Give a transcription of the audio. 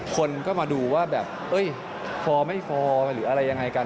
คนก็มาดูว่าแบบเอ้ยฟอไม่ฟอหรืออะไรอย่างไรกัน